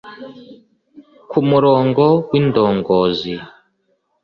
Ku murongo w'indongozi